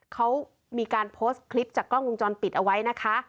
เขามีการโพสต์คลิปจากกล้องวงจรปิดเอาไว้นะคะ